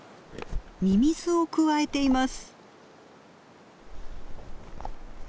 ミミズをくわえています。